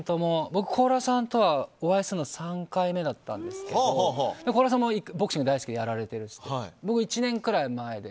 僕、高良さんとはお会いするの３回目だったんですけど高良さんもボクシング大好きでやられているということで僕、１年くらい前で。